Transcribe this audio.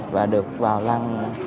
và được vào lăng